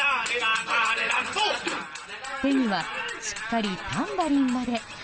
手にはしっかりタンバリンまで。